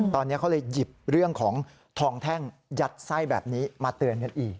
ตอนนี้เขาเลยหยิบเรื่องของทองแท่งยัดไส้แบบนี้มาเตือนกันอีก